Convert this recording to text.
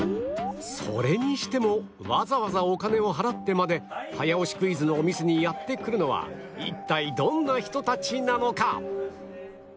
それにしてもわざわざお金を払ってまで早押しクイズのお店にやって来るのは一体どんな人たちなのか？